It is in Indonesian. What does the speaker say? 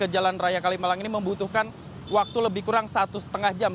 jalan raya kalimalang ini membutuhkan waktu lebih kurang satu lima jam